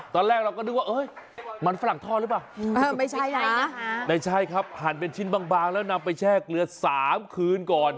ตอนแรกเราก็นึกว่ามันฝรั่งท่อหรือเปล่าไม่ใช่ครับหั่นเป็นชิ้นบางแล้วนำไปแช่เกลือ๓คืนก่อน